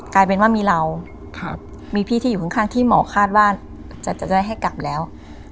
กลายเป็นว่ามีเรามีพี่ที่อยู่ข้างที่หมอคาดว่าจะได้ให้กลับแล้ว